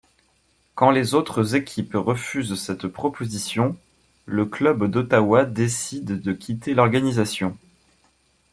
Quand les autres équipes refusent cette proposition, le club d'Ottawa décide de quitter l'organisation.